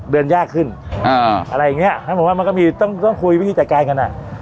เดินยากขึ้นอะไรอย่างเงี้ยฉะผมว่ามันก็มีต้องต้องคุยวิธีจัดการกันอ่ะ